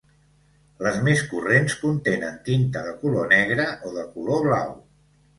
Les més corrents contenen tinta de color negre o de color blau.